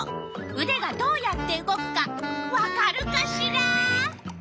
うでがどうやって動くかわかるかしら？